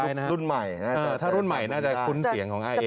นี่เด็กรุ่นใหม่ถ้ารุ่นใหม่น่าจะคุ้นเสียงของอาเอก